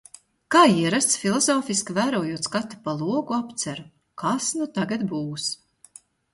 Kā ierasts, filozofiski vērojot skatu pa logu, apceru – kas nu tagad būs?